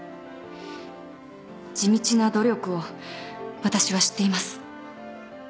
地道な努力を私は知っています。